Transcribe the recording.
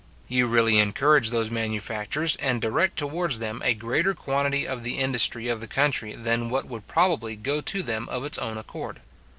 You really encourage those manufactures, and direct towards them a greater quantity of the industry of the country than what would properly go to them of its own accord.